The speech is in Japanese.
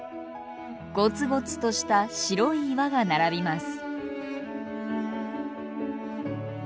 ゴツゴツとした白い岩が並びます。